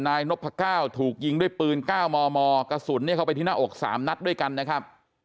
นายนพก้าวถูกยิงด้วยปืน๙มมกระสุนเข้าไปที่หน้าอก๓นัดด้วยกันนะครับ